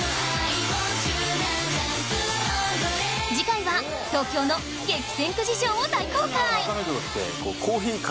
次回は東京の激戦区事情を大公開中